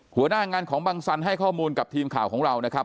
หัวหน้างานของบังสันให้ข้อมูลกับทีมข่าวของเรานะครับ